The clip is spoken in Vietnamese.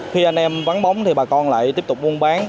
khi anh em vắng bóng thì bà con lại tiếp tục buôn bán